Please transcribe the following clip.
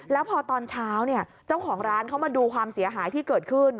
แล้วพอตอนเช้าเจ้าของร้านเขามาดูความเสียหายที่เกิดขึ้น